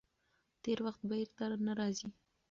تېر وخت بېرته نه راځي.